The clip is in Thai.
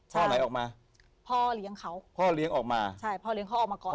อะไรออกมาพ่อเลี้ยงเขาพ่อเลี้ยงออกมาใช่พ่อเลี้ยเขาออกมาก่อน